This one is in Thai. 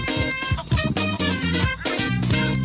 เพิ่มเวลา